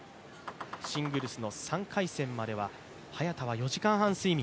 シングルスの３回戦までは、早田は４時間半睡眠。